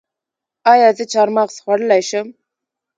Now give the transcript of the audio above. ایا زه چهارمغز خوړلی شم؟